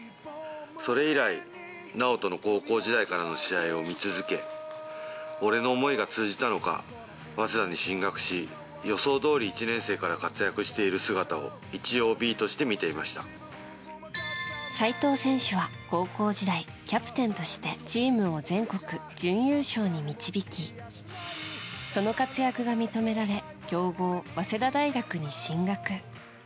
それ以来、直人の高校時代からの試合を見続け、俺の思いが通じたのか、早稲田に進学し、予想どおり１年生から活躍している姿を、齋藤選手は高校時代、キャプテンとしてチームを全国準優勝に導き、その活躍が認められ、強豪、早稲田大学に進学。